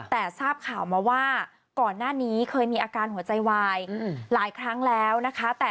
แต่ทราบข่าวมาว่าก่อนหน้านี้เคยมีอาการหัวใจวายหลายครั้งแล้วนะคะ